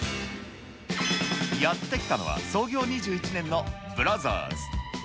やって来たのは、創業２１年のブラザーズ。